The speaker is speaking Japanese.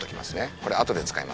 これ後で使います。